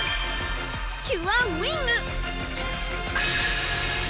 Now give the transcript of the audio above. キュアウィング！